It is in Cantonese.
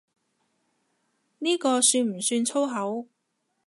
呢個算唔算粗口？